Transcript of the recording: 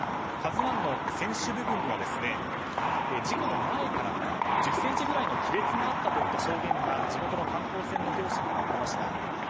「ＫＡＺＵ１」の船首部分には事故の前から１０ｃｍぐらいの亀裂があったという証言が地元の観光船の業者からありました。